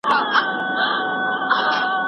ایا بهرني سوداګر وچ توت پروسس کوي؟